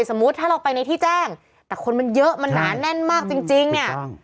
สมมุติถ้าเราไปในที่แจ้งแต่คนมันเยอะมันหนาแน่นมากจริงจริงเนี่ย